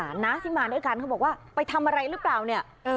กับผู้โดยสารนะที่มาด้วยกันเขาบอกว่าไปทำอะไรหรือเปล่าเนี่ย